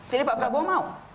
jadi pak prabowo mau